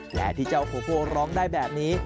และที่เจ้าโคโกร้องได้แบบนี้